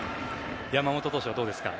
山本投手はどうですか？